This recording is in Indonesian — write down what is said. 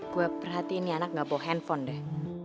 gue perhatiin ini anak gak bawa handphone deh